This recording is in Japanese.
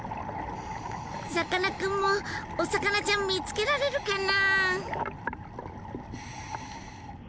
さかなクンもお魚ちゃん見つけられるかな？